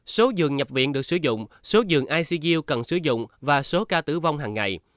số dường nhập viện được sử dụng số dường icu cần sử dụng và số ca tử vong hằng ngày